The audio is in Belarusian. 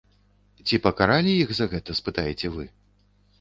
Ці пакаралі іх за гэта, спытаеце вы?